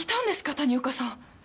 谷岡さん。